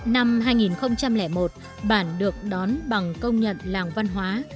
năm hai nghìn một bản được đón bằng công nhận làng văn hóa